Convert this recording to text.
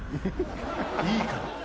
いいから。